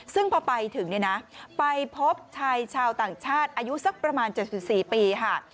ซึ่งพอไปถึงเนี่ยนะไปพบชายชาวต่างชาติอายุสักประมาณ๗๔ปีค่ะ